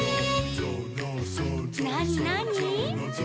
「なになに？」